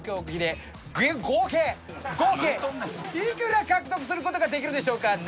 いくら獲得する事ができるでしょうか？